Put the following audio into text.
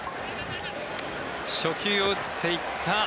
初球を打っていった。